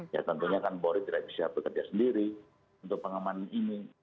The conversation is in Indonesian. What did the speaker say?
ya tentunya kan polri tidak bisa bekerja sendiri untuk pengamanan ini